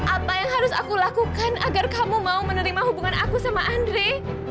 apa yang harus aku lakukan agar kamu mau menerima hubungan aku sama andre